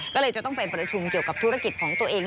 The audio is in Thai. ก็เลยจะต้องไปประชุมเกี่ยวกับธุรกิจของตัวเอง